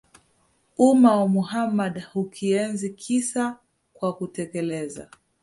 umma wa Muhammad Hukienzi kisa kwa kutekeleza